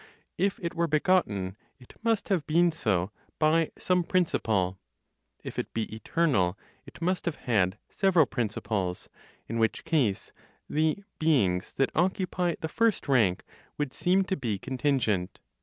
If it were begotten, it must have been so by some principle; if it be eternal, it must have had several principles; in which case the beings that occupy the first rank would seem to be contingent.